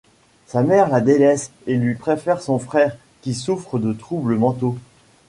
Sa mère la délaisse et lui préfère son frère, qui souffre de troubles mentaux.